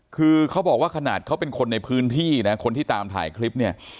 คือเขาบอกว่าขนาดเขาเป็นคนในพื้นที่นะคนที่ตามถ่ายคลิปเนี่ย